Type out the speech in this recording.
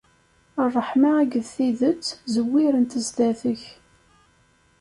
Ṛṛeḥma akked tidet, zewwirent sdat-k.